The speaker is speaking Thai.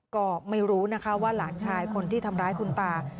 ก็ไม่รู้นะคะว่าหลานชายคนที่ทำร้ายคุณตา